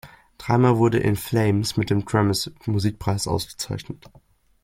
Dreimal wurden In Flames mit dem Grammis-Musikpreis ausgezeichnet.